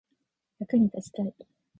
役に立ちたい